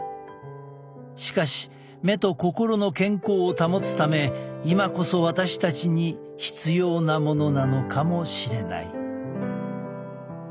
しかし目と心の健康を保つため今こそ私たちに必要なものなのかもしれない。